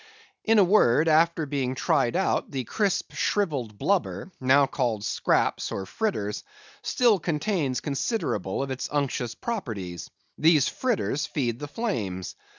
In a word, after being tried out, the crisp, shrivelled blubber, now called scraps or fritters, still contains considerable of its unctuous properties. These fritters feed the flames.